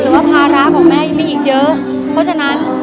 ภาระของแม่ยังมีอีกเยอะเพราะฉะนั้น